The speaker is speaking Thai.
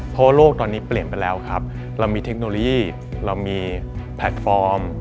เพราะว่าโลกตอนนี้เปลี่ยนไปแล้วครับเรามีเทคโนโลยีเรามีแพลตฟอร์ม